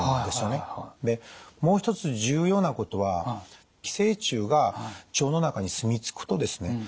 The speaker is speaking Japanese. でもう一つ重要なことは寄生虫が腸の中に住み着くとですね